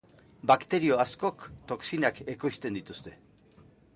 Bakterio askok toxinak ekoizten dituzte.